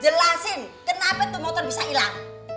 jelasin kenapa itu motor bisa hilang